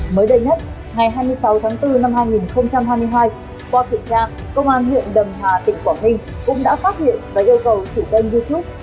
mới đây nhất ngày hai mươi sáu tháng bốn năm hai nghìn hai mươi hai qua kiểm tra công an huyện đầm hà tỉnh quảng ninh cũng đã phát hiện và yêu cầu chủ tên youtube